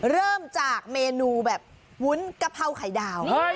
เริ่มจากเมนูแบบวุ้นกะเพราไข่ดาว